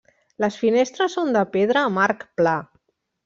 Les finestres són de pedra amb arc pla.